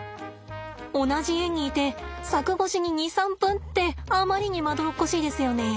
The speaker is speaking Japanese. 同じ園にいて柵越しに２３分ってあまりにまどろっこしいですよね。